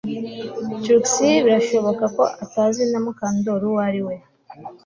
Trix birashoboka ko atazi na Mukandoli uwo ari we